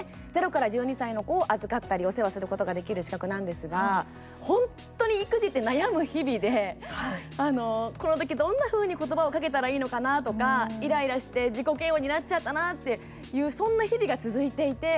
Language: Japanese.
０から１２歳の子を預かったりお世話することができる資格なんですが本当に育児って悩む日々でこのとき、どんなふうにことばをかけたらいいのかなとかイライラして自己嫌悪になっちゃったなっていうそんな日々が続いていて。